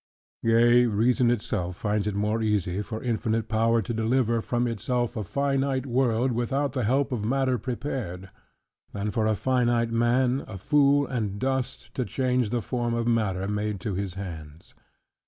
Yea reason itself finds it more easy for infinite power to deliver from itself a finite world, without the help of matter prepared; than for a finite man, a fool and dust, to change the form of matter made to his hands.